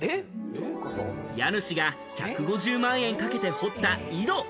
家主が１５０万円かけて掘った井戸。